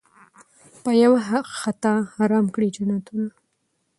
په یوه خطا حرام کړي جنتونه